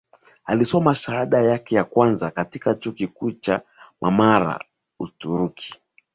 Alisoma shahada yake ya kwanza katika chuo kikuu cha mamara Uturuki